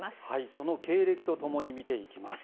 その経歴と共に見ていきます。